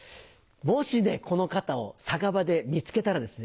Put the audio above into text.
もしこの方を酒場で見つけたらですね